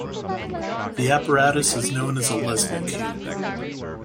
The apparatus is known as a Leslie cube.